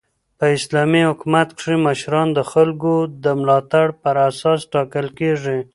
په اسلامي حکومت کښي مشران د خلکو د ملاتړ پر اساس ټاکل کیږي.